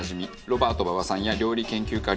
ロバート馬場さんや料理研究家